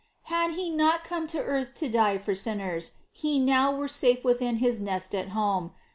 Had He not come to earth to die for sinners He now were safe within His nest at home